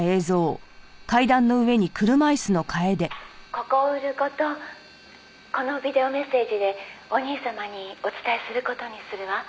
「ここを売る事このビデオメッセージでお兄様にお伝えする事にするわ」